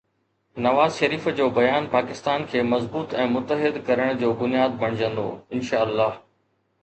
نواز شريف جو بيان پاڪستان کي مضبوط ۽ متحد ڪرڻ جو بنياد بڻجندو، انشاءَ الله.